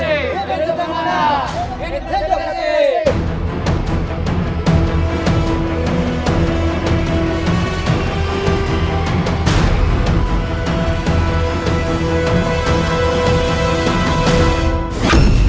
hidup yang mana hidup yang terhormat